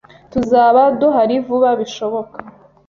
Tuzaba duhari vuba bishoboka.